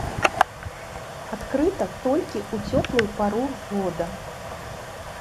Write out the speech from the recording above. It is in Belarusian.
Адкрыта толькі ў цёплую пару года.